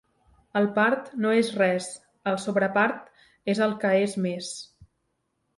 El part no és res, el sobrepart és el que és més.